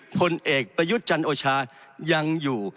ผลเอกประยุทธ์จันโอชายังอยู่